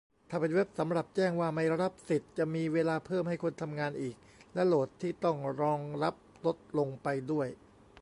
ถ้าเป็นเว็บสำหรับแจ้งว่าไม่รับสิทธิ์ จะมีเวลาเพิ่มให้คนทำงานอีก และโหลดที่ต้องรองรับลดลงไปด้วย